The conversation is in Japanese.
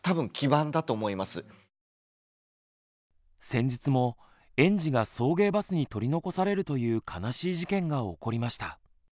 先日も園児が送迎バスに取り残されるという悲しい事件が起こりました。